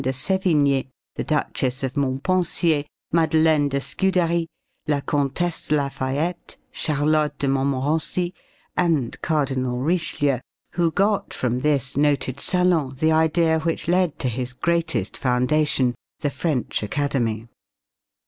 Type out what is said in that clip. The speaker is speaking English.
de Sevigné, the Duchess of Montpensier, Madeleine de Scudéry, La Comtesse de La Fayette, Charlotte de Montmorency, and Cardinal Richelieu who got from this noted salon the idea which led to his greatest foundation the French Academy.